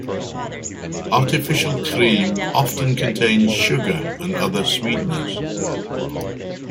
Artificial cream often contains sugar or other sweeteners.